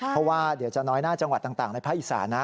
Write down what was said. เพราะว่าเดี๋ยวจะน้อยหน้าจังหวัดต่างในภาคอีสานนะ